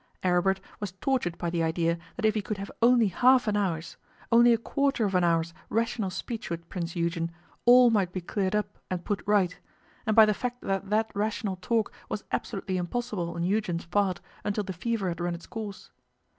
Aribert was tortured by the idea that if he could have only half an hour's, only a quarter of an hour's, rational speech with Prince Eugen, all might be cleared up and put right, and by the fact that that rational talk was absolutely impossible on Eugen's part until the fever had run its course.